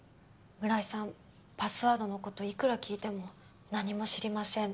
村井さんパスワードの事いくら聞いても「何も知りません」